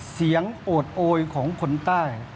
เสียงโอดโอยของคนใต้